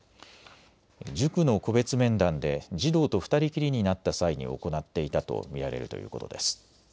塾の個別面談で児童と２人きりになった際に行っていたと見られるということです。